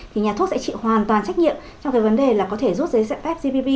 thì nhà thuốc sẽ chịu hoàn toàn trách nhiệm trong cái vấn đề là có thể rút dưới sạch phép gbp